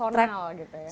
pendekatan personal gitu ya